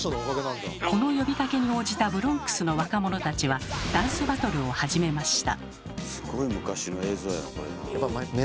この呼びかけに応じたブロンクスの若者たちはダンスバトルを始めました。